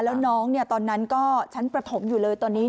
แล้วน้องตอนนั้นก็ชั้นประถมอยู่เลยตอนนี้